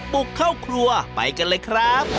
บุกเข้าครัวไปกันเลยครับ